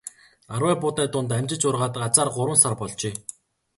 Арвай буудай дунд амжиж ургаад азаар гурван сар болжээ.